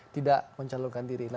tidak mencalonkan diri